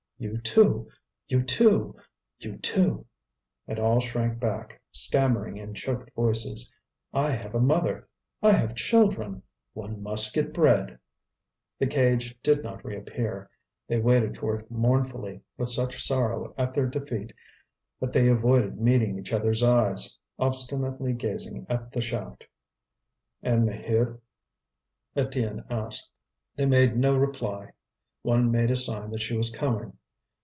"You too! you too! you too!" And all shrank back, stammering in choked voices: "I have a mother." "I have children." "One must get bread." The cage did not reappear; they waited for it mournfully, with such sorrow at their defeat that they avoided meeting each other's eyes, obstinately gazing at the shaft. "And Maheude?" Étienne asked. They made no reply. One made a sign that she was coming.